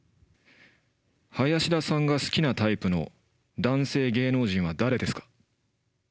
林田さんが好きなタイプの男性芸能人は誰ですか？